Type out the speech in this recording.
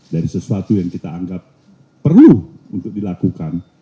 dari sesuatu yang kita anggap perlu untuk dilakukan